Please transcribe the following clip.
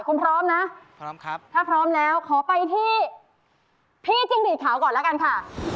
คุณพร้อมนะถ้าพร้อมแล้วขอไปที่พี่จิงดิต๔๑ก่อนละกันค่ะ